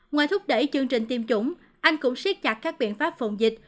ngoài thúc đẩy chương trình tiêm chủng anh cũng siết chặt các biện pháp phòng dịch